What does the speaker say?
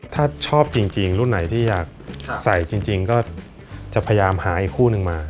ถ้าชอบจริงรุ่นไหนที่อยากใส่จริงก็จะพยายามหาอีกคู่นึงมา